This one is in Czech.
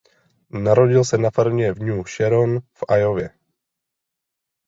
Narodil se na farmě v New Sharon v Iowě.